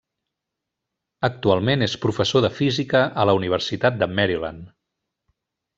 Actualment és professor de física a la Universitat de Maryland.